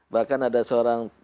bahkan ada seorang